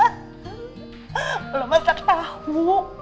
kalo masak tahu